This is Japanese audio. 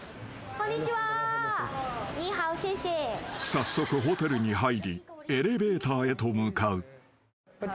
［早速ホテルに入りエレベーターへと向かう］